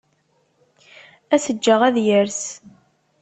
Ad t-ǧǧeɣ ad yers.